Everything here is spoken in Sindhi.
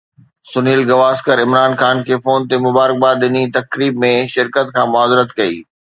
سنيل گواسڪر عمران خان کي فون تي مبارڪباد ڏني، تقريب ۾ شرڪت کان معذرت ڪئي